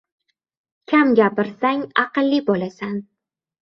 • Kam gapirsang aqlli bo‘lasan.